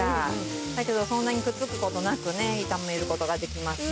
だけどそんなにくっつく事なくね炒める事ができますね。